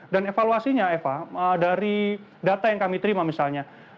dan evaluasinya eva dari data yang kami terima misalnya